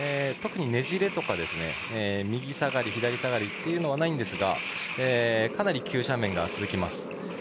特にねじれとか右下がり、左下がりはないんですがかなり急斜面が続きます。